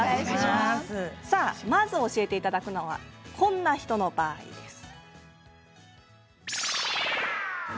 まず教えていただくのはこんな人の場合です。